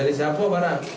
dari siapa barang